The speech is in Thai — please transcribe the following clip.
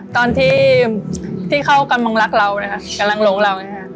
ตอนที่ที่เขากำลังรักเรานะคะกำลังหลงเรานะคะ